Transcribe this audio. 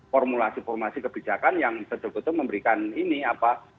formulasi formulasi kebijakan yang betul betul memberikan ini apa